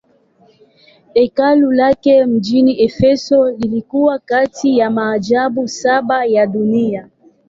Hekalu lake mjini Efeso lilikuwa kati ya maajabu saba ya dunia.